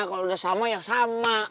kalau udah sama ya sama